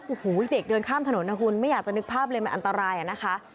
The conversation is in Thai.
โอ้โหเด็กเดินข้ามถนนนะคุณไม่อยากจะนึกภาพเลยมันอันตรายอะนะคะ